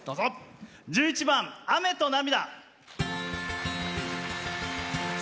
１１番「雨と泪」。